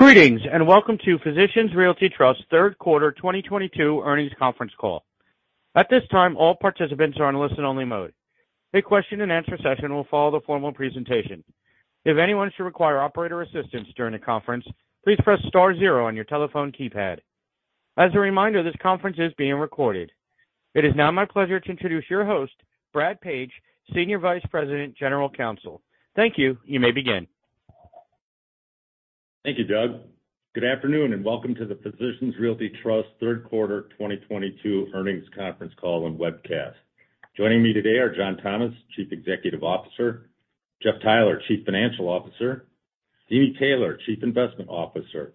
Greetings, and welcome to Physicians Realty Trust Third Quarter 2022 Earnings Conference Call. At this time, all participants are in listen-only mode. A question and answer session will follow the formal presentation. If anyone should require operator assistance during the conference, please press star zero on your telephone keypad. As a reminder, this conference is being recorded. It is now my pleasure to introduce your host, Bradley Page, Senior Vice President, General Counsel. Thank you. You may begin. Thank you, Doug. Good afternoon, and welcome to the Physicians Realty Trust Third Quarter 2022 Earnings Conference Call and Webcast. Joining me today are John Thomas, Chief Executive Officer, Jeff Theiler, Chief Financial Officer, Deeni Taylor, Chief Investment Officer,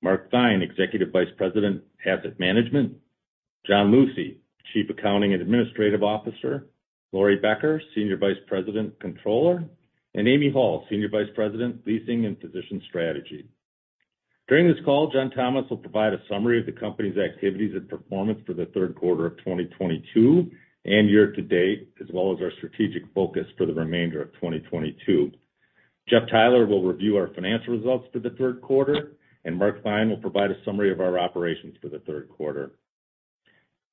Mark Theine, Executive Vice President, Asset Management, John Lucey, Chief Accounting and Administrative Officer, Laurie Becker, Senior Vice President, Controller, and Amy Hall, Senior Vice President, Leasing and Physician Strategy. During this call, John Thomas will provide a summary of the company's activities and performance for the 3rd quarter of 2022 and year-to-date, as well as our strategic focus for the remainder of 2022. Jeff Theiler will review our financial results for the 3ird quarter, and Mark Theine will provide a summary of our operations for the 3rd quarter.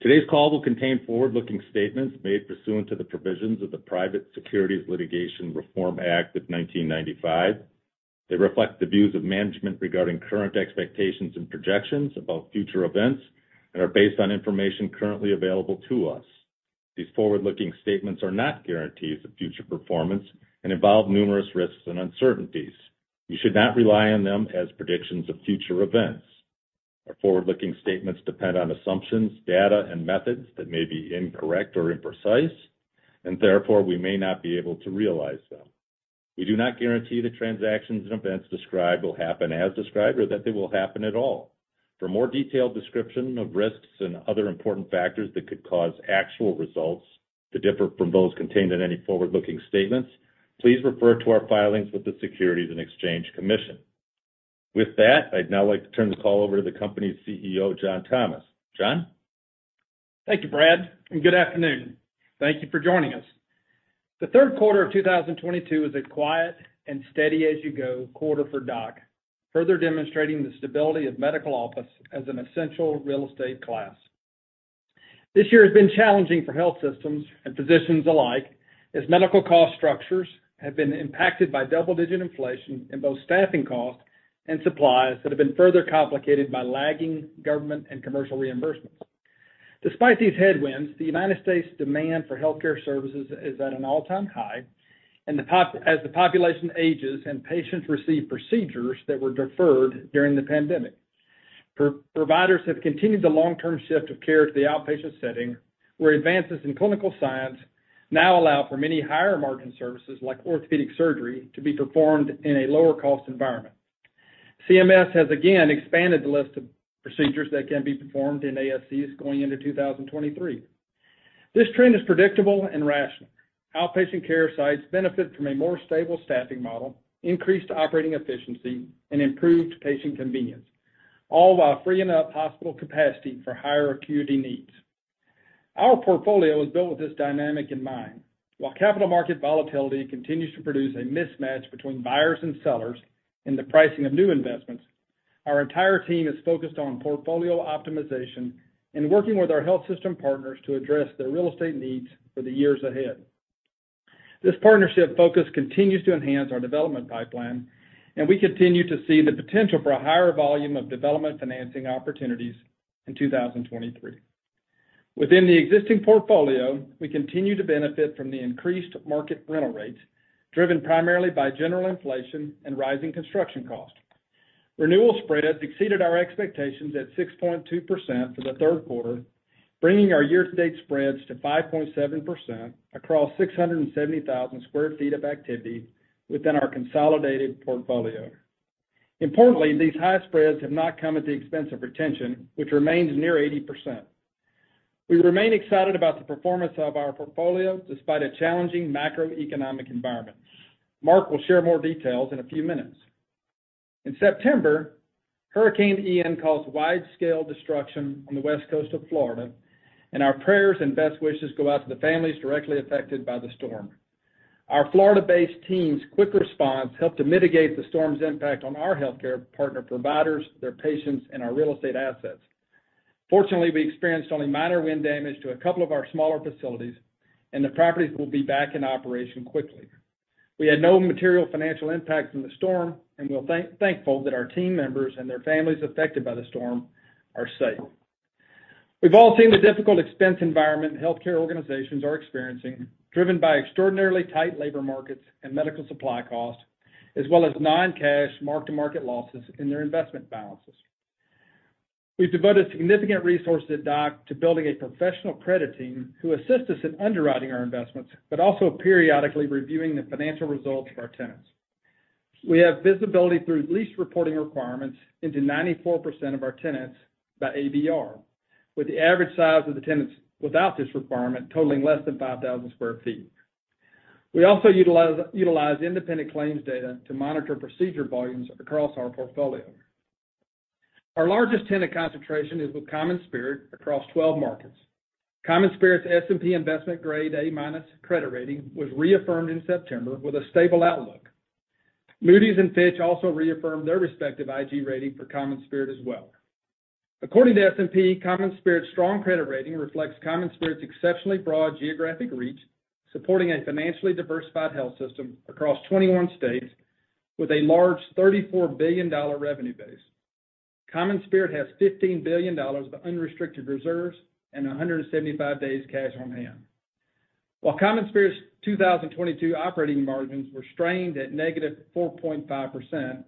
Today's call will contain forward-looking statements made pursuant to the provisions of the Private Securities Litigation Reform Act of 1995. They reflect the views of management regarding current expectations and projections about future events that are based on information currently available to us. These forward-looking statements are not guarantees of future performance and involve numerous risks and uncertainties. You should not rely on them as predictions of future events. Our forward-looking statements depend on assumptions, data, and methods that may be incorrect or imprecise, and therefore, we may not be able to realize them. We do not guarantee the transactions and events described will happen as described, or that they will happen at all. For more detailed description of risks and other important factors that could cause actual results to differ from those contained in any forward-looking statements, please refer to our filings with the Securities and Exchange Commission. With that, I'd now like to turn the call over to the company's CEO, John Thomas. John? Thank you, Brad, and good afternoon. Thank you for joining us. The 3rd quarter of 2022 is a quiet and steady as you go quarter for DOC, further demonstrating the stability of medical office as an essential real estate class. This year has been challenging for health systems and physicians alike, as medical cost structures have been impacted by double-digit inflation in both staffing costs and supplies that have been further complicated by lagging government and commercial reimbursements. Despite these headwinds, the United States demand for healthcare services is at an all-time high and as the population ages and patients receive procedures that were deferred during the pandemic. Providers have continued the long-term shift of care to the outpatient setting, where advances in clinical science now allow for many higher margin services, like orthopedic surgery, to be performed in a lower cost environment. CMS has again expanded the list of procedures that can be performed in ASCs going into 2023. This trend is predictable and rational. Outpatient care sites benefit from a more stable staffing model, increased operating efficiency, and improved patient convenience, all while freeing up hospital capacity for higher acuity needs. Our portfolio is built with this dynamic in mind. While capital market volatility continues to produce a mismatch between buyers and sellers in the pricing of new investments, our entire team is focused on portfolio optimization and working with our health system partners to address their real estate needs for the years ahead. This partnership focus continues to enhance our development pipeline, and we continue to see the potential for a higher volume of development financing opportunities in 2023. Within the existing portfolio, we continue to benefit from the increased market rental rates, driven primarily by general inflation and rising construction costs. Renewal spreads exceeded our expectations at 6.2% for the 3rd quarter, bringing our year-to-date spreads to 5.7% across 670,000 sq ft of activity within our consolidated portfolio. Importantly, these high spreads have not come at the expense of retention, which remains near 80%. We remain excited about the performance of our portfolio despite a challenging macroeconomic environment. Mark will share more details in a few minutes. In September, Hurricane Ian caused wide-scale destruction on the West Coast of Florida, and our prayers and best wishes go out to the families directly affected by the storm. Our Florida-based team's quick response helped to mitigate the storm's impact on our healthcare partner providers, their patients, and our real estate assets. Fortunately, we experienced only minor wind damage to a couple of our smaller facilities, and the properties will be back in operation quickly. We had no material financial impact from the storm, and we're thankful that our team members and their families affected by the storm are safe. We've all seen the difficult expense environment healthcare organizations are experiencing, driven by extraordinarily tight labor markets and medical supply costs, as well as non-cash mark-to-market losses in their investment balances. We've devoted significant resources at DOC to building a professional credit team who assist us in underwriting our investments, but also periodically reviewing the financial results of our tenants. We have visibility through lease reporting requirements into 94% of our tenants by ABR, with the average size of the tenants without this requirement totaling less than 5,000 sq ft. We also utilize independent claims data to monitor procedure volumes across our portfolio. Our largest tenant concentration is with CommonSpirit across 12 markets. CommonSpirit's S&P investment grade A- credit rating was reaffirmed in September with a stable outlook. Moody's and Fitch also reaffirmed their respective IG rating for CommonSpirit as well. According to S&P, CommonSpirit's strong credit rating reflects CommonSpirit's exceptionally broad geographic reach, supporting a financially diversified health system across 21 states with a large $34 billion revenue base. CommonSpirit has $15 billion of unrestricted reserves and 175 days cash on hand. While CommonSpirit's 2022 operating margins were strained at -4.5%,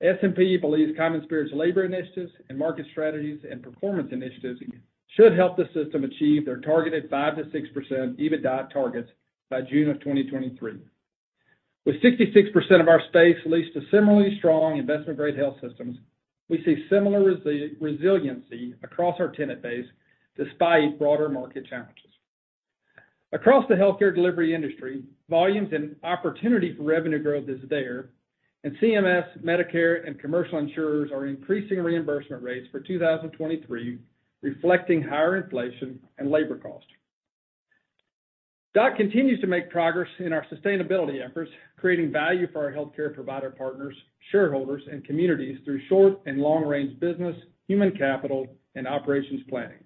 S&P believes CommonSpirit's labor initiatives and market strategies and performance initiatives should help the system achieve their targeted 5%-6% EBITDA targets by June 2023. With 66% of our space leased to similarly strong investment grade health systems, we see similar resiliency across our tenant base despite broader market challenges. Across the healthcare delivery industry, volumes and opportunity for revenue growth is there, and CMS, Medicare, and commercial insurers are increasing reimbursement rates for 2023, reflecting higher inflation and labor costs. DOC continues to make progress in our sustainability efforts, creating value for our healthcare provider partners, shareholders, and communities through short and long-range business, human capital, and operations planning.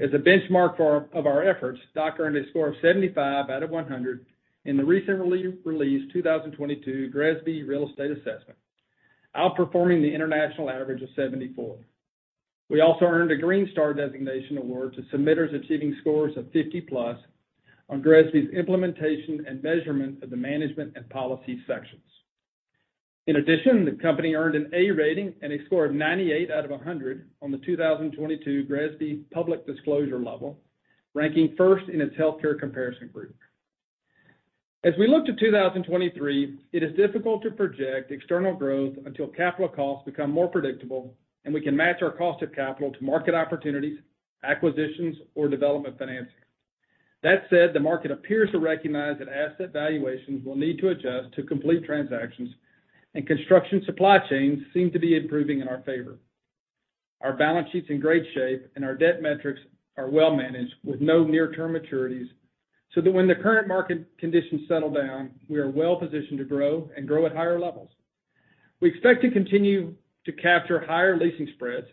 As a benchmark of our efforts, DOC earned a score of 75 out of 100 in the recently re-released 2022 GRESB real estate assessment, outperforming the international average of 74. We also earned a Green Star designation award to submitters achieving scores of 50+ on GRESB's implementation and measurement of the management and policy sections. In addition, the company earned an A rating and a score of 98 out of 100 on the 2022 GRESB public disclosure level, ranking first in its healthcare comparison group. As we look to 2023, it is difficult to project external growth until capital costs become more predictable and we can match our cost of capital to market opportunities, acquisitions, or development financing. That said, the market appears to recognize that asset valuations will need to adjust to complete transactions, and construction supply chains seem to be improving in our favor. Our balance sheet's in great shape, and our debt metrics are well managed with no near-term maturities, so that when the current market conditions settle down, we are well positioned to grow and grow at higher levels. We expect to continue to capture higher leasing spreads,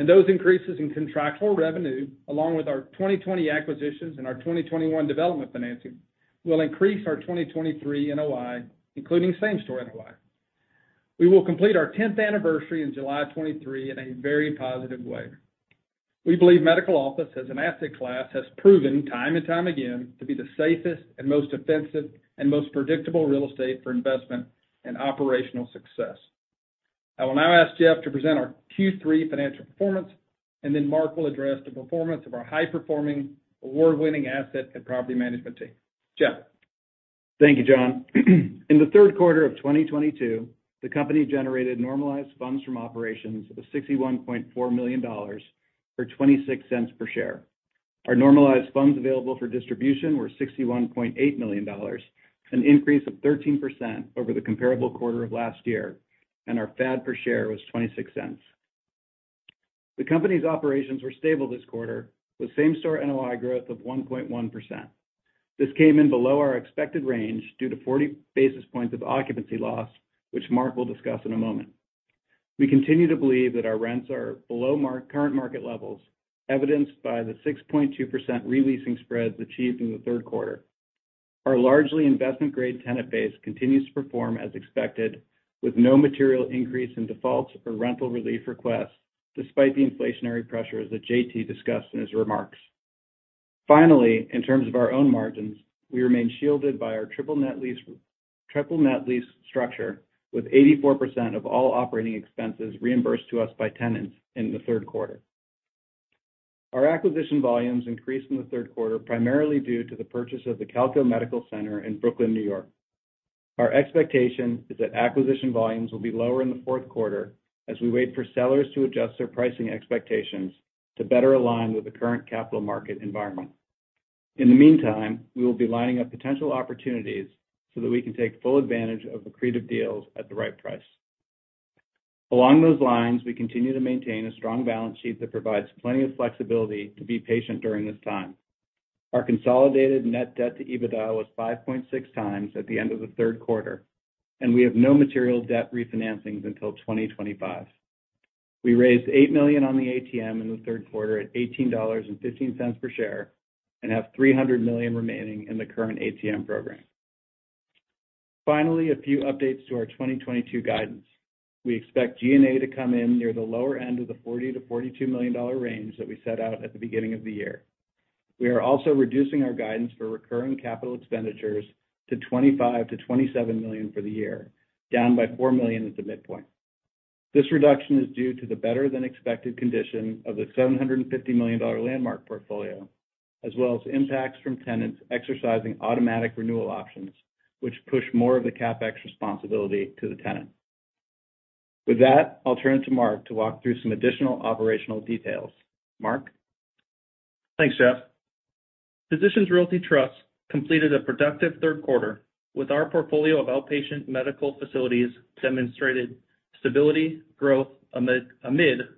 and those increases in contractual revenue, along with our 2020 acquisitions and our 2021 development financing, will increase our 2023 NOI, including same-store NOI. We will complete our tenth anniversary in July of 2023 in a very positive way. We believe medical office as an asset class has proven time and time again to be the safest and most defensive and most predictable real estate for investment and operational success. I will now ask Jeff to present our Q3 financial performance, and then Mark will address the performance of our high-performing, award-winning asset and property management team. Jeff. Thank you, John. In the 3rd quarter of 2022, the company generated normalized funds from operations of $61.4 million or $0.26 per share. Our normalized funds available for distribution were $61.8 million, an increase of 13% over the comparable quarter of last year, and our FAD per share was $0.26. The company's operations were stable this quarter, with same-store NOI growth of 1.1%. This came in below our expected range due to 40 basis points of occupancy loss, which Mark will discuss in a moment. We continue to believe that our rents are below market levels, evidenced by the 6.2% re-leasing spreads achieved in the 3rd quarter. Our largely investment-grade tenant base continues to perform as expected, with no material increase in defaults or rental relief requests, despite the inflationary pressures that JT discussed in his remarks. Finally, in terms of our own margins, we remain shielded by our triple net lease structure with 84% of all operating expenses reimbursed to us by tenants in the 3rd quarter. Our acquisition volumes increased in the 3rd quarter, primarily due to the purchase of the Calko Medical Center in Brooklyn, New York. Our expectation is that acquisition volumes will be lower in the 4th quarter as we wait for sellers to adjust their pricing expectations to better align with the current capital market environment. In the meantime, we will be lining up potential opportunities so that we can take full advantage of accretive deals at the right price. Along those lines, we continue to maintain a strong balance sheet that provides plenty of flexibility to be patient during this time. Our consolidated net debt to EBITDA was 5.6x at the end of the 3rd quarter, and we have no material debt refinancings until 2025. We raised $8 million on the ATM in the 3rd quarter at $18.15 per share and have $300 million remaining in the current ATM program. Finally, a few updates to our 2022 guidance. We expect G&A to come in near the lower end of the $40 million-$42 million range that we set out at the beginning of the year. We are also reducing our guidance for recurring capital expenditures to $25 million-$27 million for the year, down by $4 million at the midpoint. This reduction is due to the better than expected condition of the $750 million Landmark portfolio, as well as impacts from tenants exercising automatic renewal options, which push more of the CapEx responsibility to the tenant. With that, I'll turn to Mark to walk through some additional operational details. Mark? Thanks, Jeff. Physicians Realty Trust completed a productive 3rd quarter with our portfolio of outpatient medical facilities demonstrated stable growth amid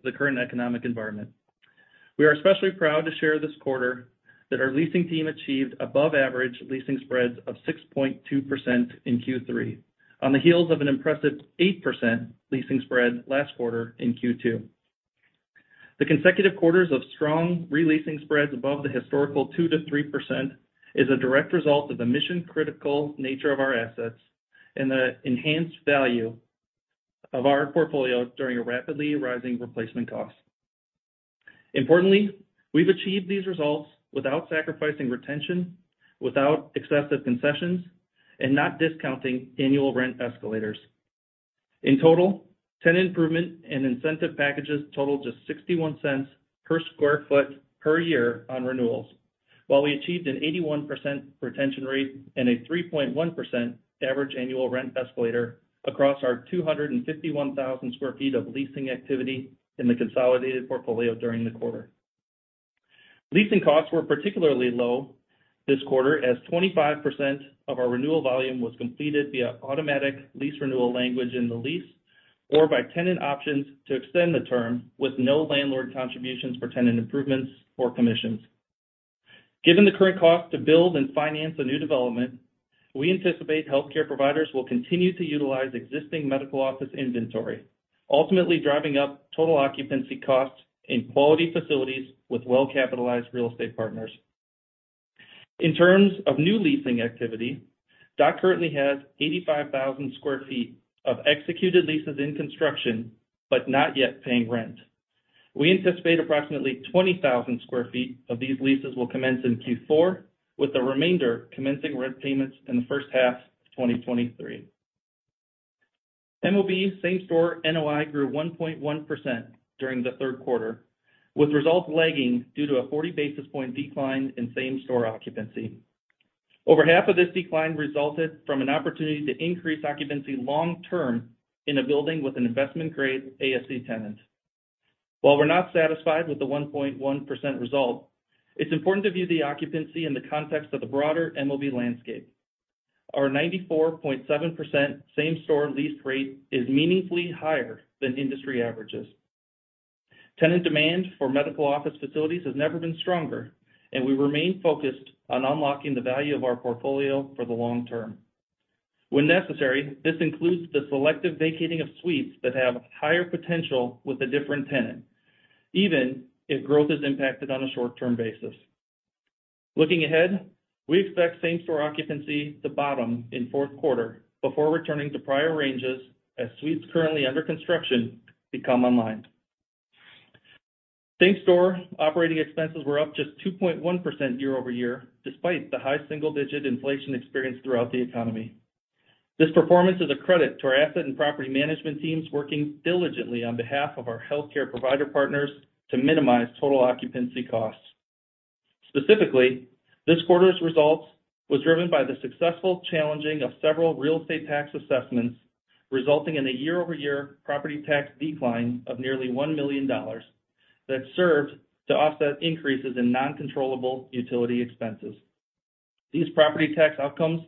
the current economic environment. We are especially proud to share this quarter that our leasing team achieved above average leasing spreads of 6.2% in Q3 on the heels of an impressive 8% leasing spread last quarter in Q2. The consecutive quarters of strong re-leasing spreads above the historical 2%-3% is a direct result of the mission-critical nature of our assets and the enhanced value of our portfolio during a rapidly rising replacement cost. Importantly, we've achieved these results without sacrificing retention, without excessive concessions, and not discounting annual rent escalators. In total, tenant improvement and incentive packages totaled just $0.61 per sq ft per year on renewals. While we achieved an 81% retention rate and a 3.1% average annual rent escalator across our 251,000 sq ft of leasing activity in the consolidated portfolio during the quarter. Leasing costs were particularly low this quarter, as 25% of our renewal volume was completed via automatic lease renewal language in the lease or by tenant options to extend the term with no landlord contributions for tenant improvements or commissions. Given the current cost to build and finance a new development, we anticipate healthcare providers will continue to utilize existing medical office inventory, ultimately driving up total occupancy costs in quality facilities with well-capitalized real estate partners. In terms of new leasing activity, DOC currently has 85,000 sq ft of executed leases in construction, but not yet paying rent. We anticipate approximately 20,000 sq ft of these leases will commence in Q4, with the remainder commencing rent payments in the 1st half of 2023. MOB same-store NOI grew 1.1% during the 3rd quarter, with results lagging due to a 40 basis point decline in same-store occupancy. Over half of this decline resulted from an opportunity to increase occupancy long term in a building with an investment-grade ASC tenant. While we're not satisfied with the 1.1% result, it's important to view the occupancy in the context of the broader MOB landscape. Our 94.7% same-store lease rate is meaningfully higher than industry averages. Tenant demand for medical office facilities has never been stronger, and we remain focused on unlocking the value of our portfolio for the long term. When necessary, this includes the selective vacating of suites that have higher potential with a different tenant, even if growth is impacted on a short-term basis. Looking ahead, we expect same-store occupancy to bottom in 4th quarter before returning to prior ranges as suites currently under construction come online. Same-store operating expenses were up just 2.1% year-over-year, despite the high single-digit inflation experienced throughout the economy. This performance is a credit to our asset and property management teams working diligently on behalf of our healthcare provider partners to minimize total occupancy costs. Specifically, this quarter's results was driven by the successful challenging of several real estate tax assessments, resulting in a year-over-year property tax decline of nearly $1 million that served to offset increases in non-controllable utility expenses. These property tax outcomes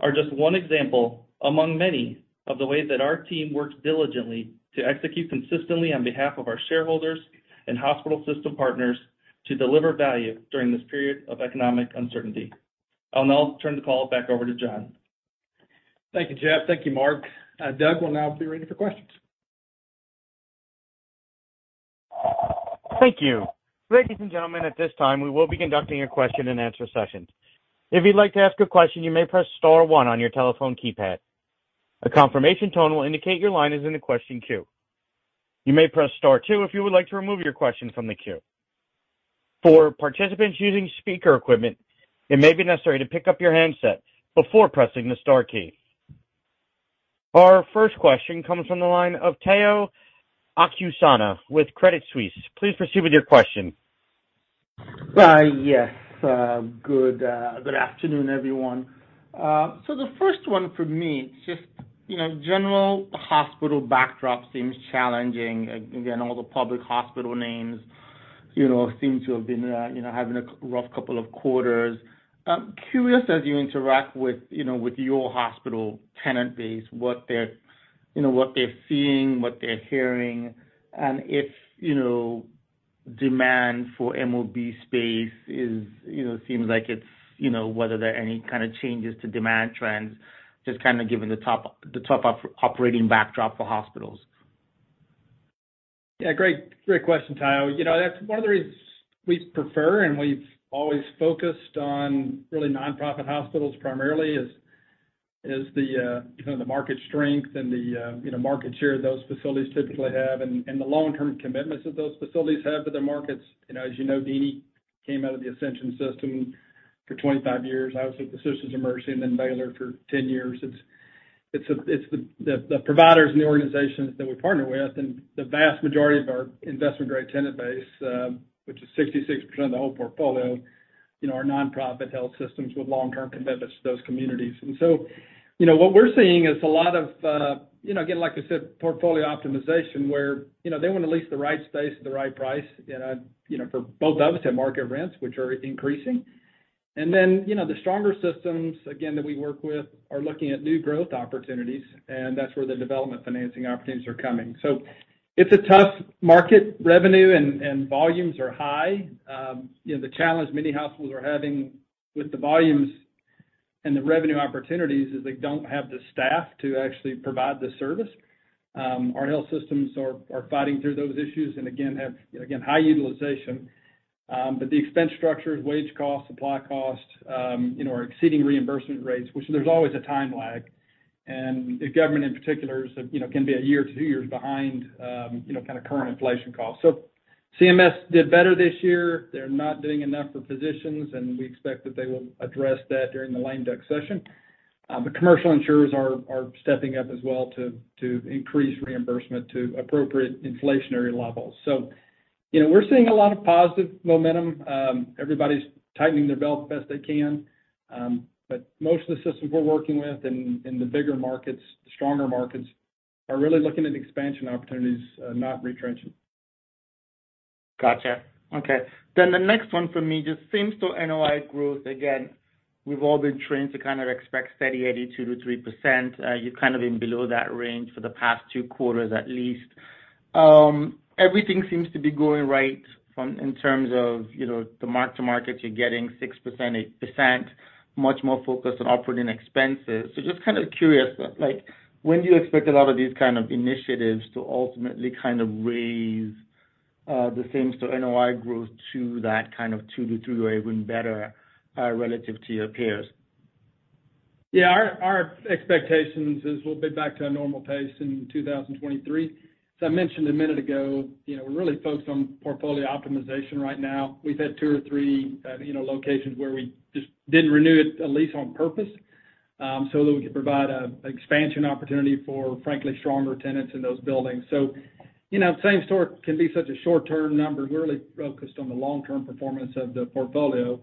are just one example among many of the ways that our team works diligently to execute consistently on behalf of our shareholders and hospital system partners to deliver value during this period of economic uncertainty. I'll now turn the call back over to John. Thank you, Jeff. Thank you, Mark. Doug will now be ready for questions. Thank you. Ladies and gentlemen, at this time, we will be conducting a question-and-answer session. If you'd like to ask a question, you may press star one on your telephone keypad. A confirmation tone will indicate your line is in the question queue. You may press star two if you would like to remove your question from the queue. For participants using speaker equipment, it may be necessary to pick up your handset before pressing the star key. Our first question comes from the line of Omotayo Okusanya with Credit Suisse. Please proceed with your question. Yes. Good afternoon, everyone. The first one for me, just, you know, general hospital backdrop seems challenging. Again, all the public hospital names, you know, seem to have been, you know, having a rough couple of quarters. I'm curious as you interact with, you know, with your hospital tenant base, what they're, you know, what they're seeing, what they're hearing, and if, you know, demand for MOB space is, you know, seems like it's, you know, whether there are any kind of changes to demand trends, just kinda given the top operating backdrop for hospitals. Yeah. Great question, Tayo. You know, that's one of the reasons we prefer and we've always focused on really nonprofit hospitals primarily is the market strength and the market share those facilities typically have and the long-term commitments that those facilities have to their markets. You know, as you know, Deeni came out of the Ascension system for 25 years. I was at the Sisters of Mercy and then Baylor for 10 years. It's the providers and the organizations that we partner with and the vast majority of our investment-grade tenant base, which is 66% of the whole portfolio. You know, our nonprofit health systems with long-term commitments to those communities. You know, what we're seeing is a lot of you know, again, like I said, portfolio optimization, where you know, they want to lease the right space at the right price. You know, for both of us at market rents, which are increasing. You know, the stronger systems again, that we work with are looking at new growth opportunities, and that's where the development financing opportunities are coming. It's a tough market. Revenue and volumes are high. You know, the challenge many hospitals are having with the volumes and the revenue opportunities is they don't have the staff to actually provide the service. Our health systems are fighting through those issues and again, have high utilization. The expense structures, wage costs, supply costs, you know, are exceeding reimbursement rates, which there's always a time lag. The government in particular is, you know, can be a year to two years behind, you know, kind of current inflation costs. CMS did better this year. They're not doing enough for physicians, and we expect that they will address that during the lame-duck session. Commercial insurers are stepping up as well to increase reimbursement to appropriate inflationary levels. You know, we're seeing a lot of positive momentum. Everybody's tightening their belt best they can. Most of the systems we're working with in the bigger markets, the stronger markets, are really looking at expansion opportunities, not retrenching. Gotcha. Okay. The next one for me, just same-store NOI growth. Again, we've all been trained to kind of expect steady 2%-3%. You've kind of been below that range for the past two quarters at least. Everything seems to be going right in terms of, you know, the mark-to-market, you're getting 6%, 8%, much more focused on operating expenses. Just kind of curious, like, when do you expect a lot of these kind of initiatives to ultimately kind of raise the same-store NOI growth to that kind of 2%-3% way, even better, relative to your peers? Yeah. Our expectations is we'll be back to a normal pace in 2023. As I mentioned a minute ago, you know, we're really focused on portfolio optimization right now. We've had two or three, you know, locations where we just didn't renew a lease on purpose, so that we could provide an expansion opportunity for, frankly, stronger tenants in those buildings. You know, same-store can be such a short-term number. We're really focused on the long-term performance of the portfolio.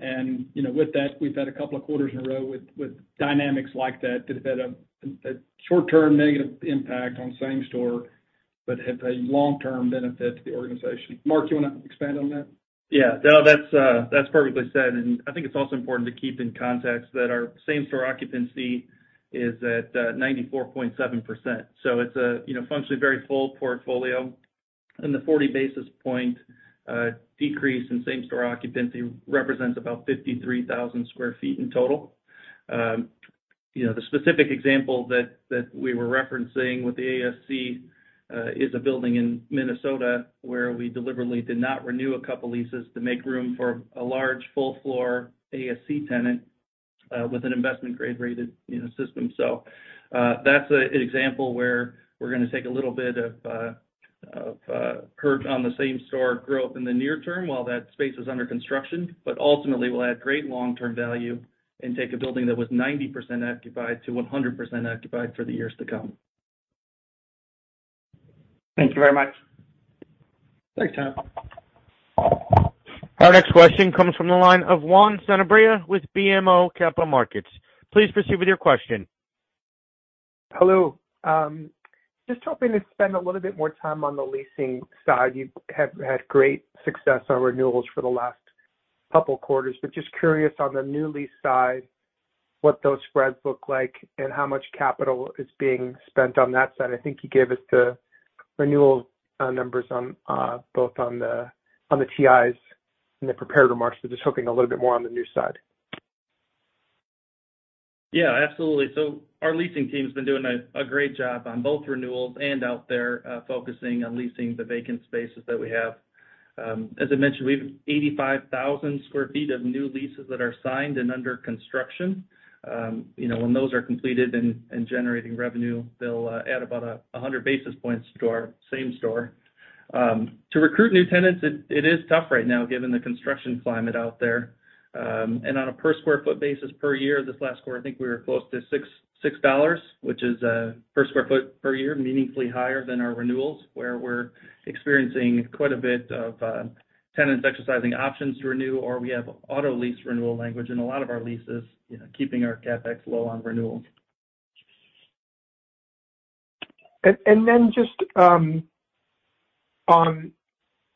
You know, with that, we've had a couple of quarters in a row with dynamics like that have had a short-term negative impact on same store, but have a long-term benefit to the organization. Mark, you want to expand on that? Yeah. No, that's perfectly said. I think it's also important to keep in context that our same-store occupancy is at 94.7%. It's a, you know, functionally very full portfolio. The 40 basis point decrease in same-store occupancy represents about 53,000 sq ft in total. You know, the specific example that we were referencing with the ASC is a building in Minnesota where we deliberately did not renew a couple leases to make room for a large full floor ASC tenant with an investment-grade rated, you know, system. That's an example where we're gonna take a little bit of a purge on the same-store growth in the near term while that space is under construction. Ultimately, we'll add great long-term value and take a building that was 90% occupied to 100% occupied for the years to come. Thank you very much. Thanks, Tayo. Our next question comes from the line of Juan Sanabria with BMO Capital Markets. Please proceed with your question. Hello. Just hoping to spend a little bit more time on the leasing side. You have had great success on renewals for the last couple quarters, but just curious on the new lease side, what those spreads look like and how much capital is being spent on that side. I think you gave us the renewal numbers on both the TIs in the prepared remarks, but just hoping a little bit more on the new side. Yeah, absolutely. Our leasing team's been doing a great job on both renewals and out there, focusing on leasing the vacant spaces that we have. As I mentioned, we have 85,000 sq ft of new leases that are signed and under construction. You know, when those are completed and generating revenue, they'll add about 100 basis points to our same store. To recruit new tenants, it is tough right now given the construction climate out there. On a per square foot basis per year, this last quarter, I think we were close to $6, which is per square foot per year, meaningfully higher than our renewals, where we're experiencing quite a bit of tenants exercising options to renew, or we have auto lease renewal language in a lot of our leases, you know, keeping our CapEx low on renewals. Then just on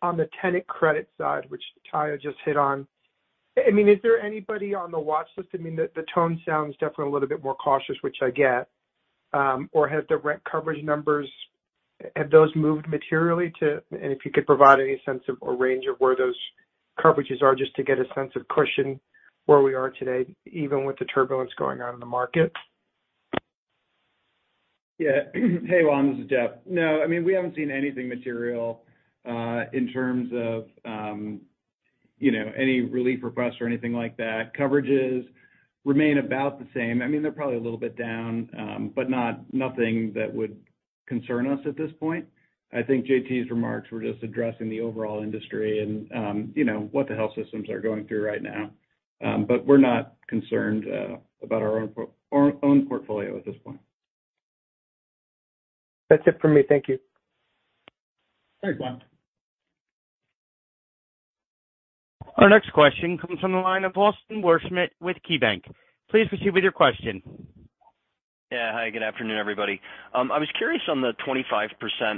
the tenant credit side, which TI just hit on, I mean, is there anybody on the watch list? I mean, the tone sounds definitely a little bit more cautious, which I get. Or have the rent coverage numbers moved materially? If you could provide any sense of or range of where those coverages are just to get a sense of cushion where we are today, even with the turbulence going on in the market. Yeah. Hey, Juan, this is Jeff. No, I mean, we haven't seen anything material in terms of you know, any relief requests or anything like that. Coverages remain about the same. I mean, they're probably a little bit down, but not nothing that would concern us at this point. I think JT's remarks were just addressing the overall industry and you know, what the health systems are going through right now. But we're not concerned about our own portfolio at this point. That's it for me. Thank you. Thanks, Juan. Our next question comes from the line of Austin Wurschmidt with KeyBanc Capital Markets. Please proceed with your question. Yeah. Hi, good afternoon, everybody. I was curious on the 25%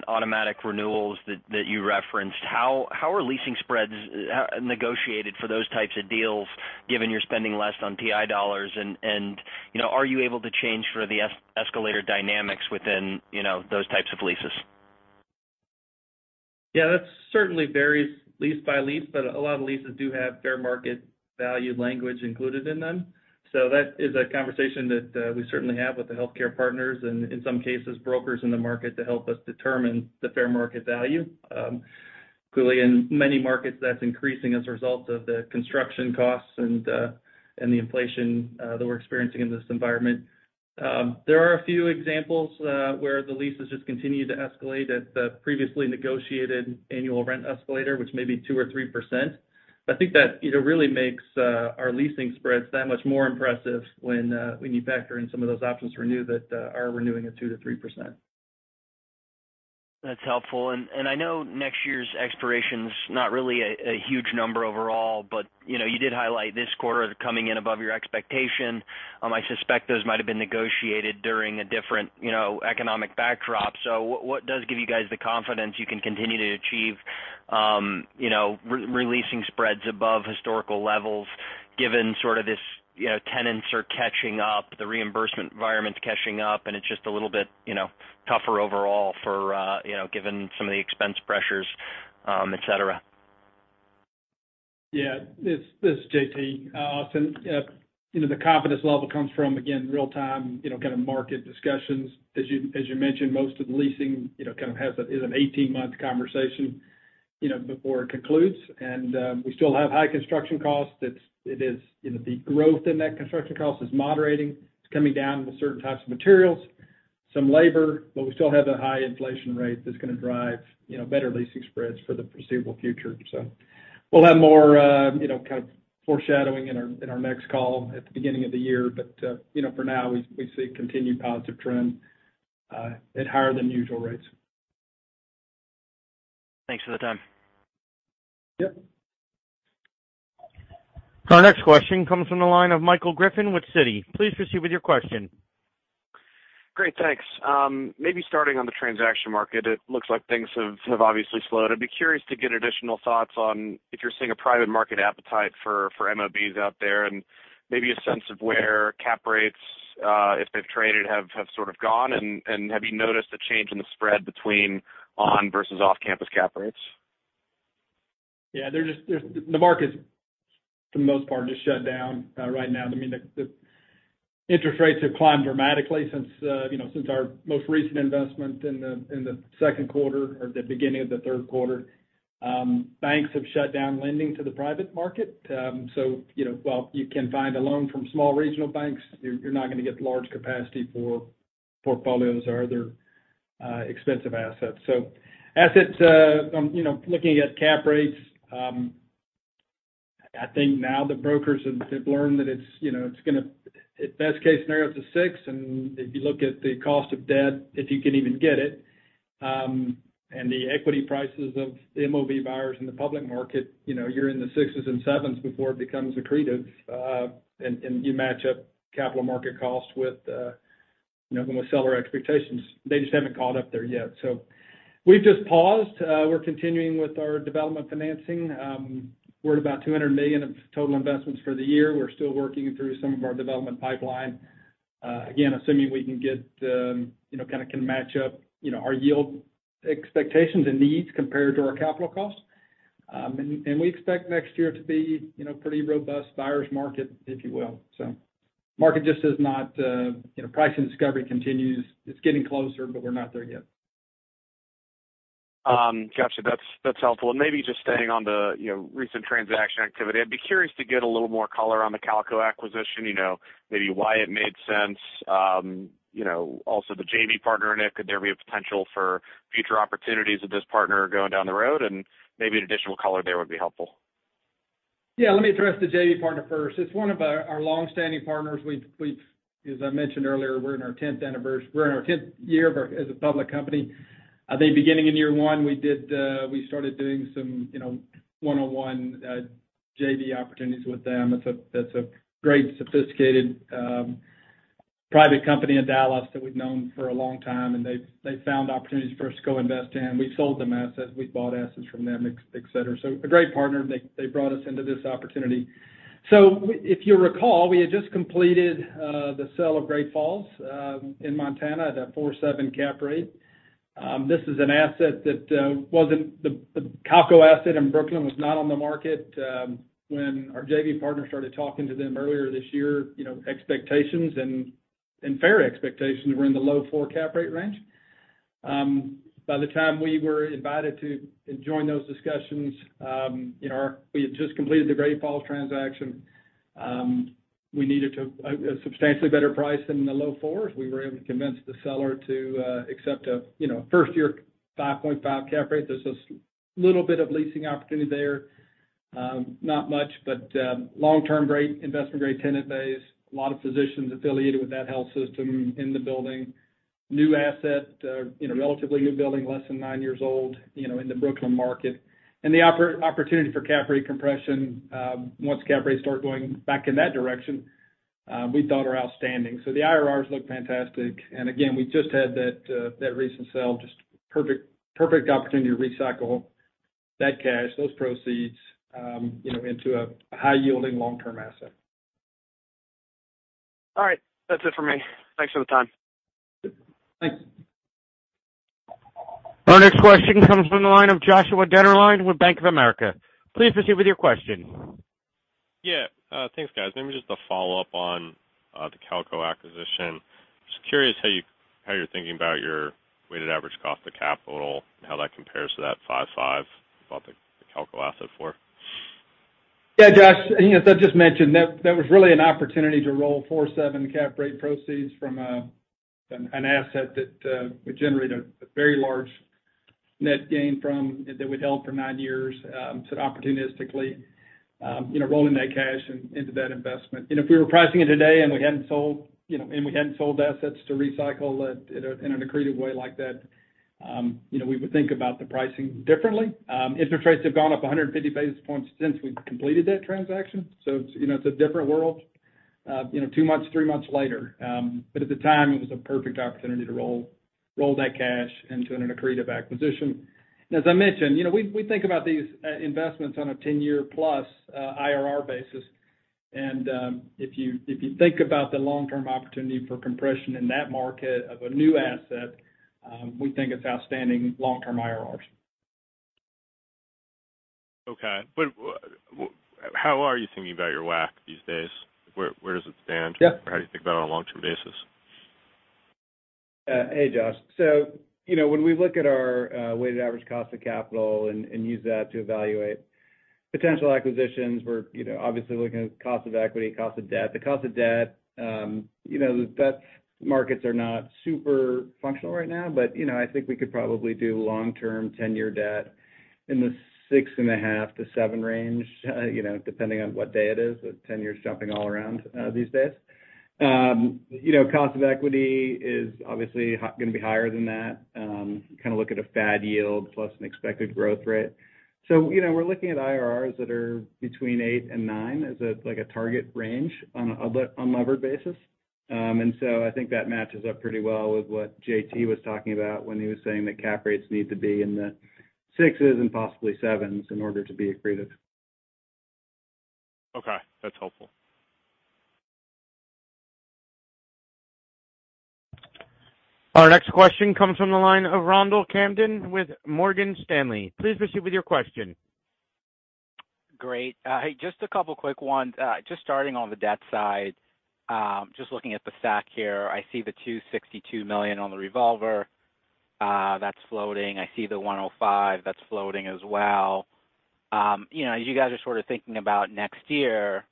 automatic renewals that you referenced. How are leasing spreads negotiated for those types of deals given you're spending less on TI dollars and, you know, are you able to charge for the escalator dynamics within, you know, those types of leases? Yeah, that certainly varies lease by lease, but a lot of leases do have fair market value language included in them. That is a conversation that we certainly have with the healthcare partners and in some cases, brokers in the market to help us determine the fair market value. Clearly in many markets, that's increasing as a result of the construction costs and the inflation that we're experiencing in this environment. There are a few examples where the leases just continue to escalate at the previously negotiated annual rent escalator, which may be 2% or 3%. I think that, you know, really makes our leasing spreads that much more impressive when you factor in some of those options to renew that are renewing at 2%-3%. That's helpful. I know next year's expiration's not really a huge number overall, but you know, you did highlight this quarter coming in above your expectation. I suspect those might have been negotiated during a different, you know, economic backdrop. What does give you guys the confidence you can continue to achieve, you know, re-leasing spreads above historical levels given sort of this, you know, tenants are catching up, the reimbursement environment's catching up, and it's just a little bit, you know, tougher overall for, you know, given some of the expense pressures, et cetera? Yeah. This is JT. Austin, you know, the confidence level comes from, again, real-time, you know, kind of market discussions. As you mentioned, most of the leasing, you know, kind of is an 18-month conversation, you know, before it concludes. We still have high construction costs. You know, the growth in that construction cost is moderating. It's coming down with certain types of materials, some labor, but we still have the high inflation rate that's gonna drive, you know, better leasing spreads for the foreseeable future. We'll have more, you know, kind of foreshadowing in our next call at the beginning of the year. You know, for now, we see continued positive trend at higher than usual rates. Thanks for the time. Yep. Our next question comes from the line of Michael Griffin with Citi. Please proceed with your question. Great. Thanks. Maybe starting on the transaction market, it looks like things have obviously slowed. I'd be curious to get additional thoughts on if you're seeing a private market appetite for MOBs out there, and maybe a sense of where cap rates, if they've traded, have sort of gone. Have you noticed a change in the spread between on versus off-campus cap rates? Yeah. The market is, for the most part, just shut down right now. I mean, the interest rates have climbed dramatically since, you know, since our most recent investment in the 2nd quarter or the beginning of the 3rd quarter. Banks have shut down lending to the private market. So, you know, while you can find a loan from small regional banks, you're not gonna get large capacity for portfolios or other expensive assets. So assets, you know, looking at cap rates, I think now the brokers have learned that it's, you know, it's gonna. At best case scenario, it's a 6%. If you look at the cost of debt, if you can even get it, and the equity prices of MOB buyers in the public market, you know, you're in the 6%-7% before it becomes accretive, and you match up capital market costs with, you know, sellers' expectations. They just haven't caught up there yet. We've just paused. We're continuing with our development financing. We're at about $200 million of total investments for the year. We're still working through some of our development pipeline, again, assuming we can get, you know, kind of can match up, you know, our yield expectations and needs compared to our capital costs. And we expect next year to be, you know, pretty robust buyer's market, if you will. Market just is not. You know, price discovery continues. It's getting closer, but we're not there yet. Got you. That's helpful. Maybe just staying on the, you know, recent transaction activity. I'd be curious to get a little more color on the Calko acquisition, you know, maybe why it made sense. You know, also the JV partner in it, could there be a potential for future opportunities with this partner going down the road? Maybe an additional color there would be helpful. Yeah. Let me address the JV partner first. It's one of our longstanding partners. As I mentioned earlier, we're in our tenth year as a public company. I think beginning in year one, we started doing some, you know, one-on-one JV opportunities with them. That's a great sophisticated private company in Dallas that we've known for a long time, and they've found opportunities for us to go invest in. We've sold them assets. We've bought assets from them, et cetera. A great partner. They brought us into this opportunity. If you recall, we had just completed the sale of Great Falls in Montana at a 4%-7% cap rate. The Calko asset in Brooklyn was not on the market when our JV partner started talking to them earlier this year. Expectations and fair expectations were in the low 4% cap rate range. By the time we were invited to join those discussions, we had just completed the Great Falls transaction. We needed a substantially better price than the low 4%. We were able to convince the seller to accept a first-year 5.5% cap rate. There's a little bit of leasing opportunity there. Not much, but long-term investment-grade tenant base. A lot of physicians affiliated with that health system in the building. New asset, you know, relatively new building, less than nine years old, you know, in the Brooklyn market. The opportunity for cap rate compression, once cap rates start going back in that direction, we thought are outstanding. The IRRs look fantastic. Again, we just had that recent sale, just perfect opportunity to recycle that cash, those proceeds, you know, into a high-yielding long-term asset. All right. That's it for me. Thanks for the time. Thanks. Our next question comes from the line of Joshua Dennerlein with Bank of America. Please proceed with your question. Yeah. Thanks, guys. Maybe just a follow-up on the Calko acquisition. Just curious how you're thinking about your weighted average cost of capital and how that compares to that 5.5% you bought the Calko asset for. Yeah, Josh. You know, as I just mentioned, that was really an opportunity to roll 4%-7% cap rate proceeds from an asset that would generate a very large net gain from that we'd held for nine years, so opportunistically, you know, rolling that cash into that investment. If we were pricing it today and we hadn't sold assets to recycle it in an accretive way like that, you know, we would think about the pricing differently. Interest rates have gone up 150 basis points since we've completed that transaction, so it's, you know, a different world, you know, two months, three months later. At the time, it was a perfect opportunity to roll that cash into an accretive acquisition. As I mentioned, you know, we think about these investments on a 10-year-plus IRR basis. If you think about the long-term opportunity for compression in that market of a new asset, we think it's outstanding long-term IRRs. Okay. How are you thinking about your WACC these days? Where does it stand? Yeah. How do you think about it on a long-term basis? Hey, Josh. You know, when we look at our weighted average cost of capital and use that to evaluate potential acquisitions, we're, you know, obviously looking at cost of equity, cost of debt. The cost of debt, you know, the debt markets are not super functional right now, but, you know, I think we could probably do long-term 10-year debt in the 6.5%-7% range, you know, depending on what day it is, with 10-year jumping all around these days. You know, cost of equity is obviously hot, gonna be higher than that. Kinda look at a FAD yield plus an expected growth rate. You know, we're looking at IRRs that are between 8%-9% as a, like, a target range on a levered basis. I think that matches up pretty well with what JT was talking about when he was saying that cap rates need to be in the 6% and possibly 7% in order to be accretive. Okay, that's helpful. Our next question comes from the line of Ronald Kamdem with Morgan Stanley. Please proceed with your question. Great. Hey, just a couple quick ones. Just starting on the debt side, just looking at the stack here, I see the $262 million on the revolver, that's floating. I see the $105 million that's floating as well. You know, as you guys are sort of thinking about next year,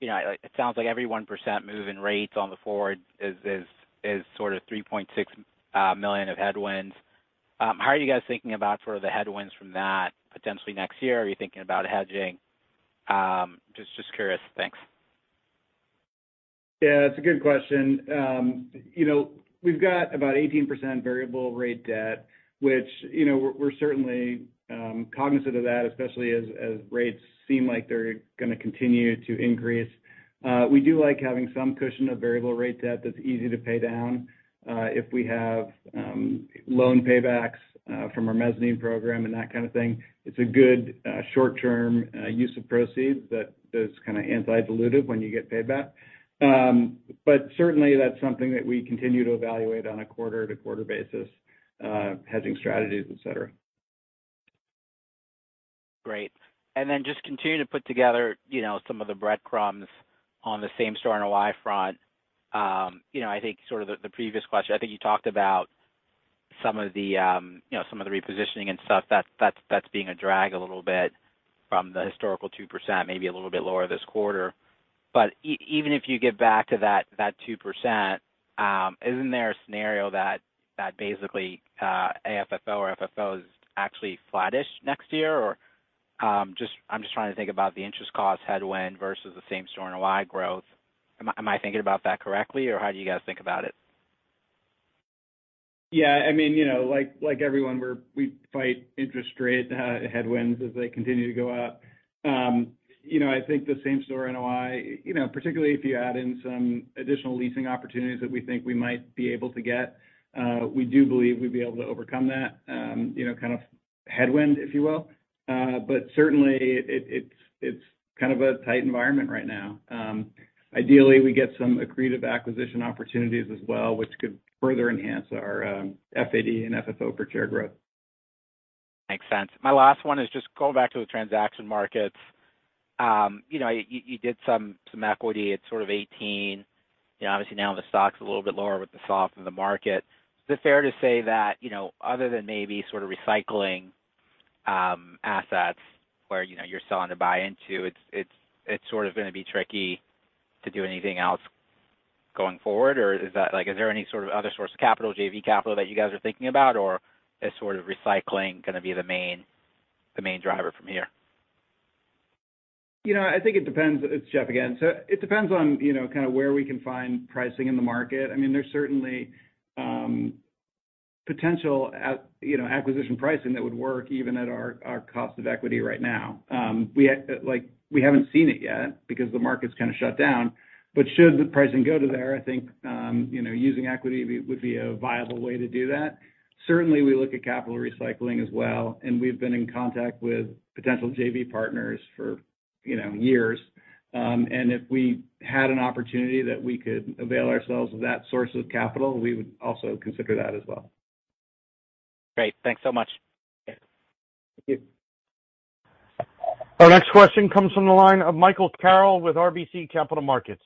you know, it sounds like every 1% move in rates on the forward is sort of $3.6 million of headwinds. How are you guys thinking about sort of the headwinds from that potentially next year? Are you thinking about hedging? Just curious. Thanks. Yeah, it's a good question. You know, we've got about 18% variable rate debt, which, you know, we're certainly cognizant of that, especially as rates seem like they're gonna continue to increase. We do like having some cushion of variable rate debt that's easy to pay down. If we have loan paybacks from our mezzanine program and that kind of thing, it's a good short-term use of proceeds that is kinda anti-dilutive when you get paid back. But certainly that's something that we continue to evaluate on a quarter-to-quarter basis, hedging strategies, et cetera. Great. Just continuing to put together, you know, some of the breadcrumbs on the same-store NOI front. You know, I think sort of the previous question, I think you talked about some of the, you know, some of the repositioning and stuff that's being a drag a little bit from the historical 2%, maybe a little bit lower this quarter. But even if you get back to that 2%, isn't there a scenario that basically AFFO or FFO is actually flattish next year? Or just, I'm just trying to think about the interest cost headwind versus the same-store NOI growth. Am I thinking about that correctly, or how do you guys think about it? Yeah, I mean, you know, like everyone, we fight interest rate headwinds as they continue to go up. You know, I think the same-store NOI, particularly if you add in some additional leasing opportunities that we think we might be able to get, we do believe we'd be able to overcome that, you know, kind of headwind, if you will. But certainly it's kind of a tight environment right now. Ideally, we get some accretive acquisition opportunities as well, which could further enhance our FAD and FFO per share growth. Makes sense. My last one is just going back to the transaction markets. You know, you did some equity at sort of 18. You know, obviously now the stock's a little bit lower with the softness in the market. Is it fair to say that, you know, other than maybe sort of recycling assets where, you know, you're selling to buy into, it's sort of gonna be tricky to do anything else going forward? Or is that, like, is there any sort of other source of capital, JV capital that you guys are thinking about? Or is sort of recycling gonna be the main driver from here? You know, I think it depends. It's Jeff again. It depends on, you know, kind of where we can find pricing in the market. I mean, there's certainly potential acquisition pricing that would work even at our cost of equity right now. Like, we haven't seen it yet because the market's kind of shut down. Should the pricing go to there, I think you know, using equity would be a viable way to do that. Certainly, we look at capital recycling as well, and we've been in contact with potential JV partners for, you know, years. If we had an opportunity that we could avail ourselves of that source of capital, we would also consider that as well. Great. Thanks so much. Thank you. Our next question comes from the line of Michael Carroll with RBC Capital Markets.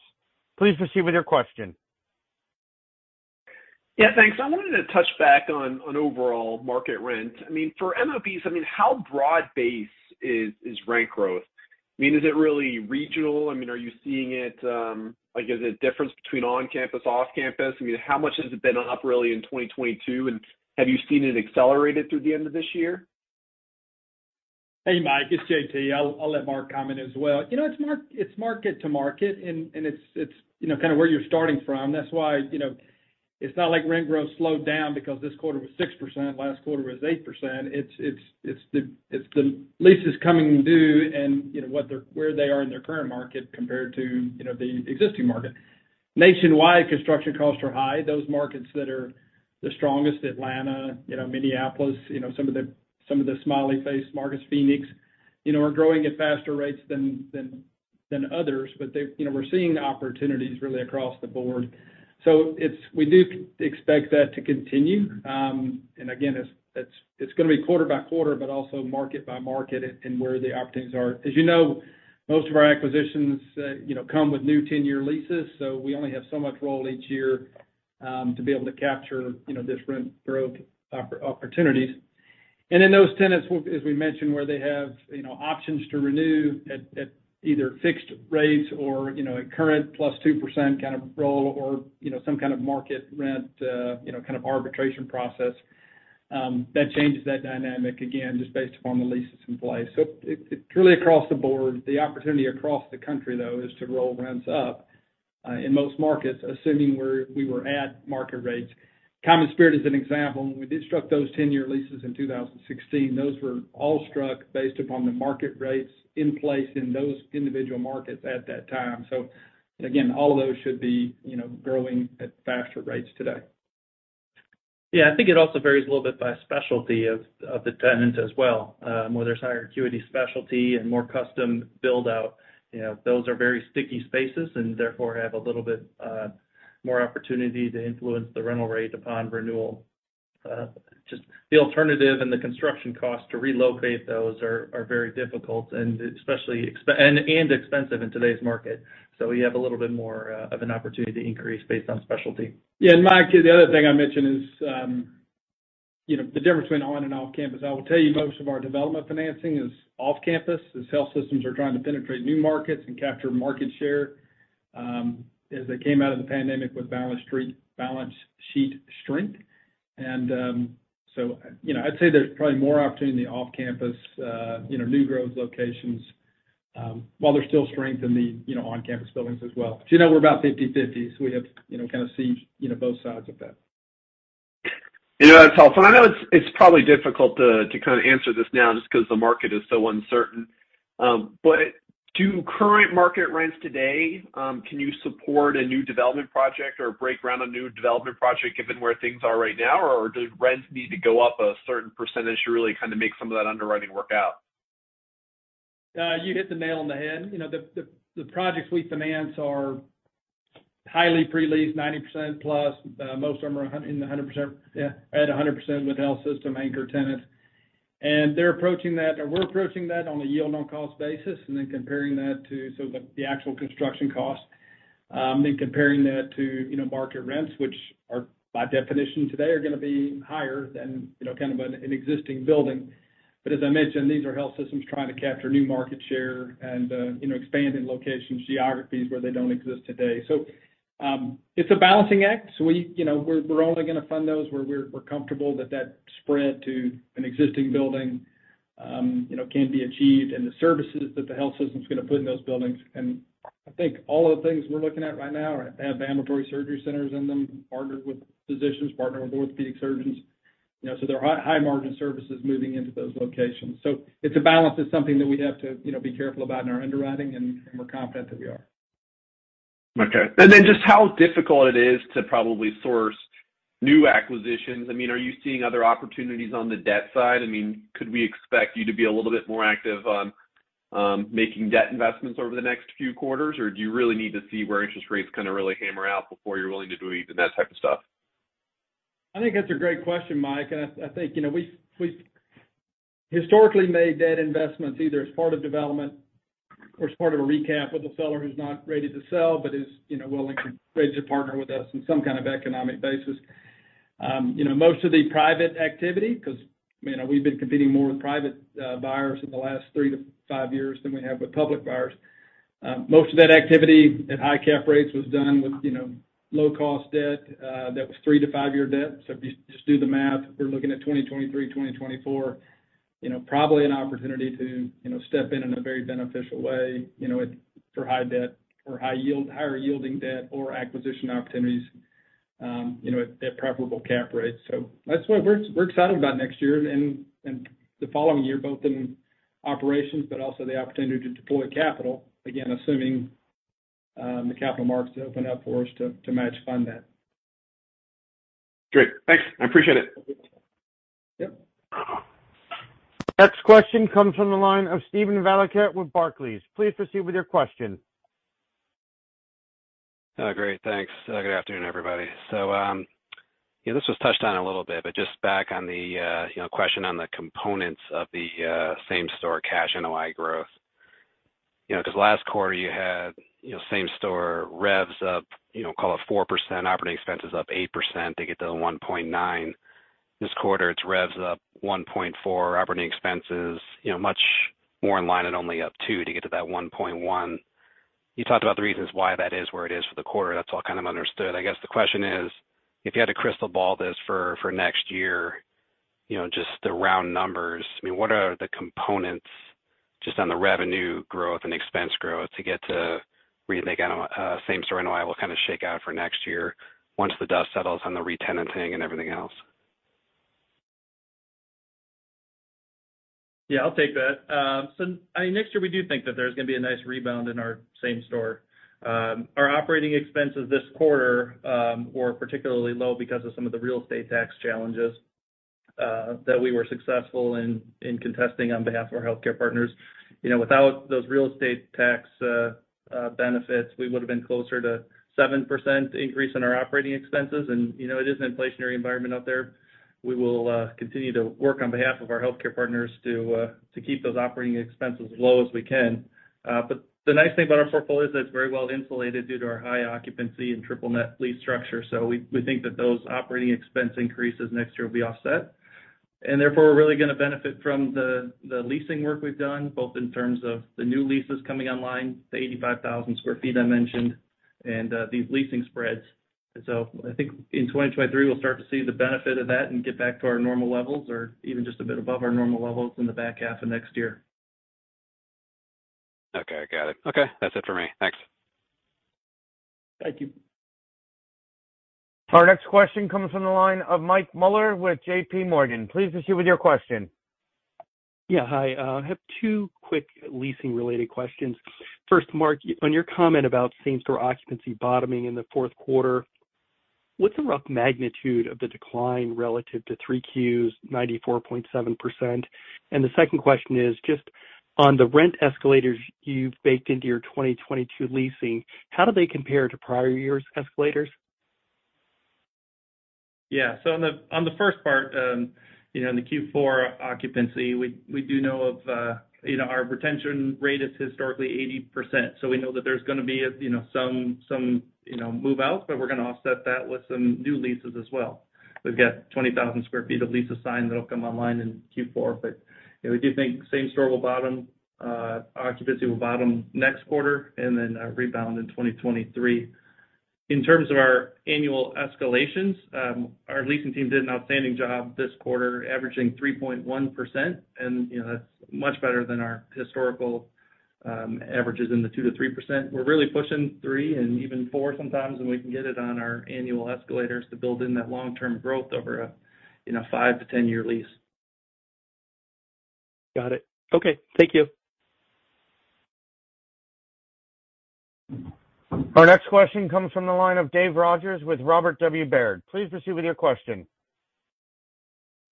Please proceed with your question. Yeah, thanks. I wanted to touch back on overall market rent. I mean, for MOBs, I mean, how broad-based is rent growth? I mean, is it really regional? I mean, are you seeing it? Like, is it difference between on-campus, off-campus? I mean, how much has it been up really in 2022, and have you seen it accelerated through the end of this year? Hey, Mike, it's JT. I'll let Mark comment as well. You know, it's mark-to-market, and it's you know, kind of where you're starting from. That's why, you know, it's not like rent growth slowed down because this quarter was 6%, last quarter was 8%. It's the leases coming due and, you know, where they are in their current market compared to, you know, the existing market. Nationwide, construction costs are high. Those markets that are the strongest, Atlanta, you know, Minneapolis, you know, some of the smiley face markets, Phoenix, you know, are growing at faster rates than others. But they, you know, we're seeing opportunities really across the board. We do expect that to continue. Again, it's gonna be quarter-by-quarter, but also market-by-market in where the opportunities are. As you know, most of our acquisitions, you know, come with new 10-year leases, so we only have so much roll each year, to be able to capture, you know, this rent growth opportunities. Those tenants, as we mentioned, where they have, you know, options to renew at either fixed rates or, you know, a current plus 2% kind of roll or, you know, some kind of market rent, you know, kind of arbitration process, that changes that dynamic, again, just based upon the leases in place. It's really across the board. The opportunity across the country, though, is to roll rents up in most markets, assuming we were at market rates. CommonSpirit is an example. When we struck those 10-year leases in 2016, those were all struck based upon the market rates in place in those individual markets at that time. Again, all of those should be, you know, growing at faster rates today. Yeah. I think it also varies a little bit by specialty of the tenant as well, where there's higher acuity specialty and more custom build-out, you know, those are very sticky spaces and therefore have a little bit more opportunity to influence the rental rate upon renewal. Just the alternative and the construction cost to relocate those are very difficult and especially expensive in today's market. We have a little bit more of an opportunity to increase based on specialty. Yeah. Mike, the other thing I mentioned is, you know, the difference between on and off campus. I will tell you, most of our development financing is off campus, as health systems are trying to penetrate new markets and capture market share, as they came out of the pandemic with balance sheet strength. So, you know, I'd say there's probably more opportunity off campus, you know, new growth locations, while there's still strength in the, you know, on-campus buildings as well. You know, we're about 50/50, so we have, you know, kind of seen, you know, both sides of that. You know, that's helpful. I know it's probably difficult to kind of answer this now just 'cause the market is so uncertain. Can current market rents today support a new development project or break ground on a new development project given where things are right now? Or do rents need to go up a certain percentage to really kind of make some of that underwriting work out? You hit the nail on the head. You know, the projects we finance are highly pre-leased, +90%. Most of them are in the 100%. Yeah, at 100% with health system anchor tenants. They're approaching that, or we're approaching that on a yield-on-cost basis and then comparing that to some of the actual construction costs, then comparing that to, you know, market rents, which, by definition today, are gonna be higher than, you know, kind of an existing building. But as I mentioned, these are health systems trying to capture new market share and, you know, expand in locations, geographies where they don't exist today. It's a balancing act. We, you know, we're only gonna fund those where we're comfortable that that spread to an existing building, you know, can be achieved, and the services that the health system's gonna put in those buildings. I think all of the things we're looking at right now have ambulatory surgery centers in them, partnered with physicians, partnered with orthopedic surgeons, you know. They're high-margin services moving into those locations. It's a balance. It's something that we have to, you know, be careful about in our underwriting, and we're confident that we are. Okay. Just how difficult it is to probably source new acquisitions. I mean, are you seeing other opportunities on the debt side? I mean, could we expect you to be a little bit more active on, making debt investments over the next few quarters? Or do you really need to see where interest rates kinda really hammer out before you're willing to do any of that type of stuff? I think that's a great question, Mike. I think, you know, we've historically made debt investments either as part of development or as part of a recap with a seller who's not ready to sell but is, you know, ready to partner with us on some kind of economic basis. You know, most of the private activity, because, you know, we've been competing more with private buyers in the last three to five years than we have with public buyers. Most of that activity at high cap rates was done with, you know, low cost debt that was three to five year debt. If you just do the math, we're looking at 2023, 2024, you know, probably an opportunity to, you know, step in in a very beneficial way, you know, for high debt or higher yielding debt or acquisition opportunities, you know, at preferable cap rates. That's what we're excited about next year and the following year, both in operations, but also the opportunity to deploy capital, again, assuming the capital markets open up for us to match fund that. Great. Thanks. I appreciate it. Yep. Next question comes from the line of Steven Valiquette with Barclays. Please proceed with your question. Oh, great. Thanks. Good afternoon, everybody. Yeah, this was touched on a little bit, but just back on the, you know, question on the components of the, same-store cash NOI growth. You know, because last quarter you had, you know, same-store revs up, you know, call it 4%, operating expenses up 8% to get to the 1.9%. This quarter, it's revs up 1.4%, operating expenses, you know, much more in line and only up 2% to get to that 1.1%. You talked about the reasons why that is where it is for the quarter. That's all kind of understood. I guess the question is, if you had to crystal ball this for next year, you know, just the round numbers, I mean, what are the components just on the revenue growth and expense growth to get to where you think, same-store NOI will kind of shake out for next year once the dust settles on the retenanting and everything else? Yeah, I'll take that. I mean, next year we do think that there's gonna be a nice rebound in our same store. Our operating expenses this quarter were particularly low because of some of the real estate tax challenges that we were successful in contesting on behalf of our healthcare partners. You know, without those real estate tax benefits, we would have been closer to 7% increase in our operating expenses. You know, it is an inflationary environment out there. We will continue to work on behalf of our healthcare partners to keep those operating expenses as low as we can. The nice thing about our portfolio is that it's very well insulated due to our high occupancy and triple net lease structure. We think that those operating expense increases next year will be offset. Therefore, we're really gonna benefit from the leasing work we've done, both in terms of the new leases coming online, the 85,000 sq ft I mentioned, and these leasing spreads. I think in 2023, we'll start to see the benefit of that and get back to our normal levels or even just a bit above our normal levels in the back half of next year. Okay, got it. Okay, that's it for me. Thanks. Thank you. Our next question comes from the line of Michael Mueller with J.P. Morgan. Please proceed with your question. I have two quick leasing-related questions. First, Mark, on your comment about same-store occupancy bottoming in the 4th quarter, what's the rough magnitude of the decline relative to 3Q's 94.7%? The second question is just on the rent escalators you've baked into your 2022 leasing, how do they compare to prior years' escalators? Yeah. On the first part, you know, in the Q4 occupancy, we do know of our retention rate is historically 80%. We know that there's gonna be, you know, some move out, but we're gonna offset that with some new leases as well. We've got 20,000 sq ft of leases signed that'll come online in Q4. We do think same store will bottom, occupancy will bottom next quarter and then rebound in 2023. In terms of our annual escalations, our leasing team did an outstanding job this quarter, averaging 3.1%, and you know, that's much better than our historical averages in the 2%-3%. We're really pushing three and even four sometimes, and we can get it on our annual escalators to build in that long-term growth over a, you know, five to 10-year lease. Got it. Okay. Thank you. Our next question comes from the line of David Rogers with Robert W. Baird. Please proceed with your question.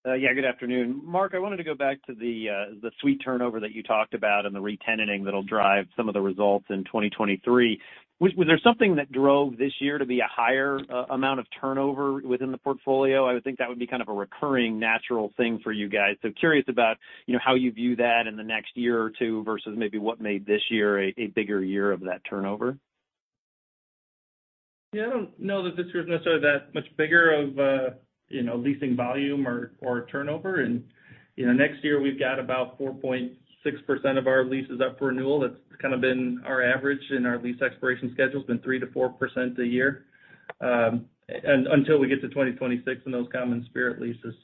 Yeah, good afternoon. Mark, I wanted to go back to the suite turnover that you talked about and the retenanting that'll drive some of the results in 2023. Was there something that drove this year to be a higher amount of turnover within the portfolio? I would think that would be kind of a recurring natural thing for you guys. Curious about, you know, how you view that in the next year or two versus maybe what made this year a bigger year of that turnover. Yeah, I don't know that this year is necessarily that much bigger of you know leasing volume or turnover. You know, next year we've got about 4.6% of our leases up for renewal. That's kind of been our average in our lease expiration schedule. It's been 3%-4% a year until we get to 2026 in those CommonSpirit leases.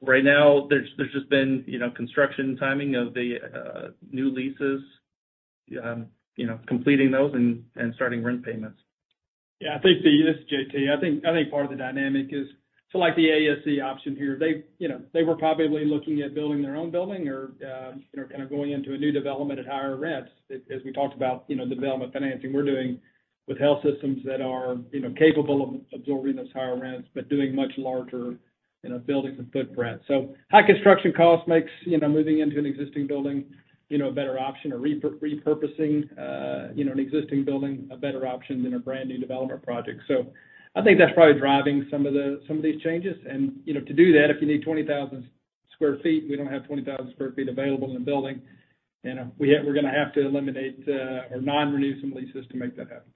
Right now there's just been you know construction timing of the new leases you know completing those and starting rent payments. This is JT. I think part of the dynamic is so like the ASC option here. They, you know, they were probably looking at building their own building or, you know, kind of going into a new development at higher rents. As we talked about, you know, development financing we're doing with health systems that are, you know, capable of absorbing those higher rents, but doing much larger, you know, buildings and footprint. So high construction cost makes, you know, moving into an existing building, you know, a better option or repurposing, you know, an existing building a better option than a brand new development project. So I think that's probably driving some of these changes. You know, to do that, if you need 20,000 sq ft. We don't have 20,000 sq ft available in the building. You know, we're gonna have to eliminate or non-renew some leases to make that happen.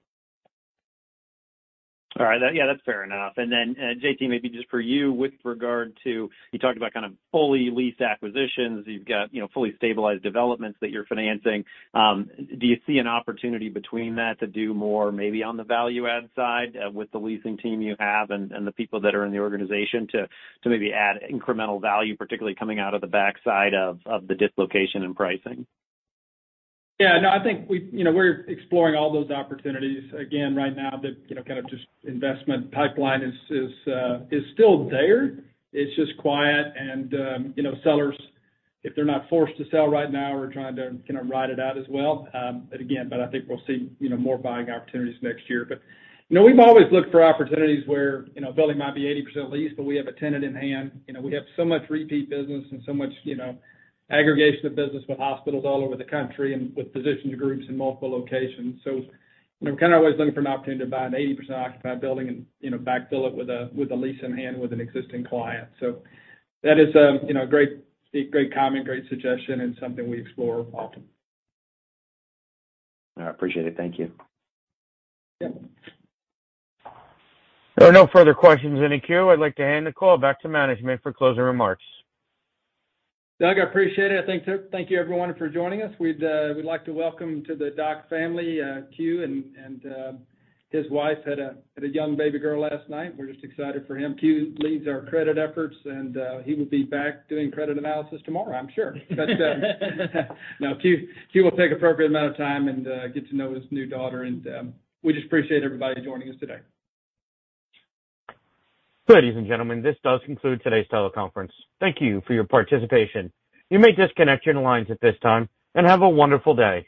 All right. Yeah, that's fair enough. Then, JT, maybe just for you, with regard to, you talked about kind of fully leased acquisitions. You've got, you know, fully stabilized developments that you're financing. Do you see an opportunity between that to do more maybe on the value add side, with the leasing team you have and the people that are in the organization to maybe add incremental value, particularly coming out of the backside of the dislocation and pricing? Yeah. No, I think you know, we're exploring all those opportunities. Again, right now, you know, kind of just the investment pipeline is still there. It's just quiet. You know, sellers, if they're not forced to sell right now, are trying to you know, ride it out as well. Again, I think we'll see you know, more buying opportunities next year. You know, we've always looked for opportunities where you know, a building might be 80% leased, but we have a tenant in hand. You know, we have so much repeat business and so much you know, aggregation of business with hospitals all over the country and with physician groups in multiple locations. You know, we're kind of always looking for an opportunity to buy an 80% occupied building and, you know, backfill it with a lease in hand with an existing client. That is, you know, a great stat, great comment, great suggestion, and something we explore often. I appreciate it. Thank you. Yeah. There are no further questions in the queue. I'd like to hand the call back to management for closing remarks. Doug, I appreciate it. Thank you everyone for joining us. We'd like to welcome to the DOC family Q and his wife had a young baby girl last night. We're just excited for him. Q leads our credit efforts, and he will be back doing credit analysis tomorrow, I'm sure. But no, Q will take appropriate amount of time and get to know his new daughter. We just appreciate everybody joining us today. Ladies and gentlemen, this does conclude today's teleconference. Thank you for your participation. You may disconnect your lines at this time, and have a wonderful day.